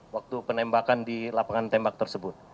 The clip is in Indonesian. waktu penembakan di lapangan tembak tersebut